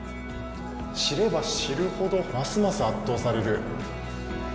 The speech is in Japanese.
知れば知るほど、ますます圧倒される。